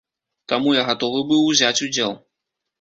Таму я гатовы быў узяць удзел.